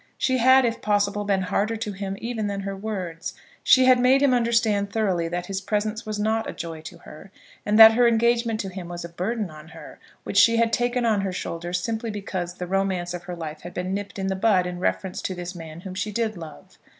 She had, if possible, been harder to him even than her words. She had made him understand thoroughly that his presence was not a joy to her, and that her engagement to him was a burden on her which she had taken on her shoulders simply because the romance of her life had been nipped in the bud in reference to the man whom she did love.